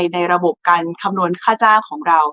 ในระบบการคำนวณค่าจ้างของเรา